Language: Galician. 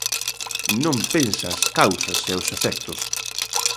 Non pensa as causas e os efectos.